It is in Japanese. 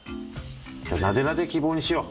なでなで希望にしよう。